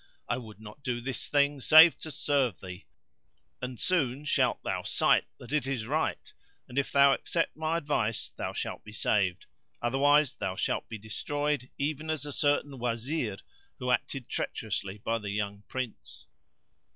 I would not do this thing, save to serve thee, and soon shalt thou sight that it is right; and if thou accept my advice thou shalt be saved, otherwise thou shalt be destroyed even as a certain Wazir who acted treacherously by the young Prince."